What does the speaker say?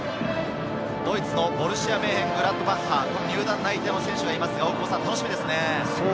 ドイツのボルシア・メンヘングラートバッハに内定の選手がいます、楽しみですね。